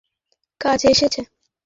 প্রত্যেকেই কাজে এসেছে।